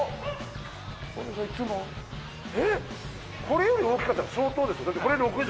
いつもこれより大きかったら相当ですよ